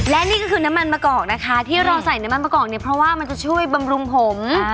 และนี่ก็คือน้ำมันมะกอกนะคะที่เราใส่น้ำมันมะกอกเนี่ยเพราะว่ามันจะช่วยบำรุงผม